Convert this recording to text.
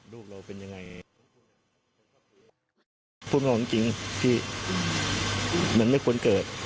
ลูกเราเป็นยังไงพูดความจริงพี่มันไม่ควรเกิด